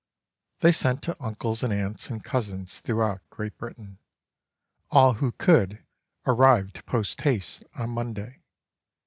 They sent to uncles and aunts and cousins throughout Great Britain: all who could arrived post haste on Monday.